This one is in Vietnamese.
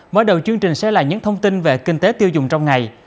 mở đầu chương trình sẽ là những thông tin về kinh tế tiêu dùng trong ngày